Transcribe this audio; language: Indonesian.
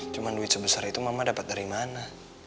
cuma duit sebesar itu mama dapat dari mana